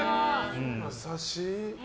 優しい。